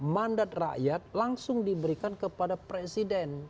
mandat rakyat langsung diberikan kepada presiden